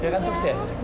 dia kan sukses